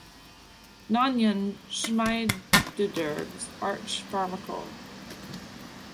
Naunyn-Schmiedederg's Arch Pharmacol.